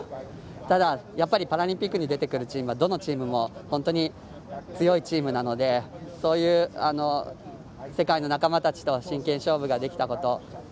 ただ、やっぱりパラリンピックに出てくるチームはどのチームも本当に強いチームなのでそういう世界の仲間たちと真剣勝負ができたこと。